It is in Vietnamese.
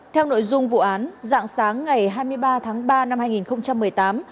theo nội dung vụ án dạng sáng ngày hai mươi ba tháng ba năm hai nghìn một mươi tám